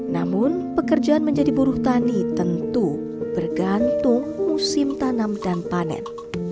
namun pekerjaan menjadi buruh tani tentu bergantung musim tanam dan panen